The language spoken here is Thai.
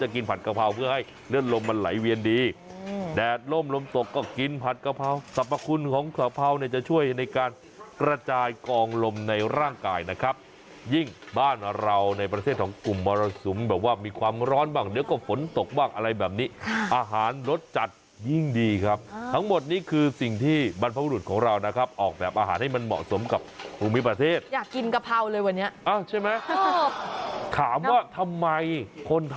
คือปกติเนี่ยเราคิดว่ามันจะมีแค่กระเทียมกับพริก